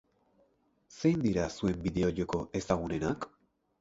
Zein dira zuen bideo-joko ezagunenak?